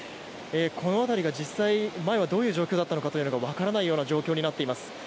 この辺りが実際前はどういう状況だったのかがわからないような状況になっています。